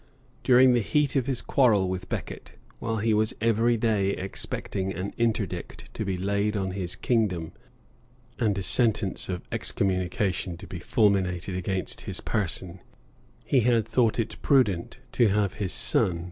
During the heat of his quarrel with Becket, while he was every day expecting an interdict to be laid on his kingdom, and a sentence of excommunication to be fulminated against his person, he had thought it prudent to have his son.